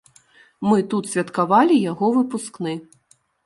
Мы тут святкавалі яго выпускны.